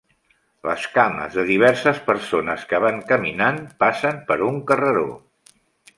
Les cames de diverses persones que van caminant passen per un carreró.